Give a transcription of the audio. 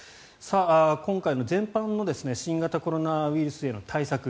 今回の全般の新型コロナウイルスへの対策